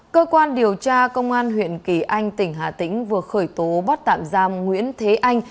cơ quan điều tra công an huyện kỳ anh tỉnh hà tĩnh vừa khởi tố bắt tạm giam nguyễn thế anh